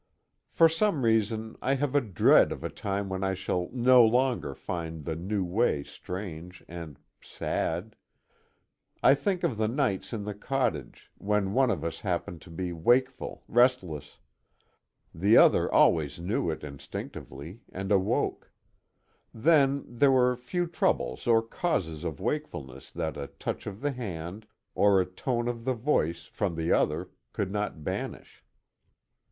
For some reason, I have a dread of a time when I shall no longer find the new way strange and sad. I think of the nights in the cottage, when one of us happened to be wakeful, restless. The other always knew it instinctively, and awoke. Then, there were few troubles or causes of wakefulness that a touch of the hand, or a tone of the voice, from the other, could not banish.